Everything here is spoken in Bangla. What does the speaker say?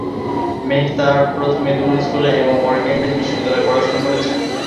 মেহতার প্রথমে দুন স্কুলে এবং পরে কেমব্রিজ বিশ্ববিদ্যালয়ে পড়াশোনা করেছেন।